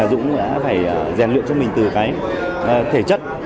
dũng đã phải rèn luyện cho mình từ cái thể chất